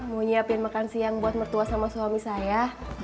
mau nyiapin makan siang buat mertua sama suami saya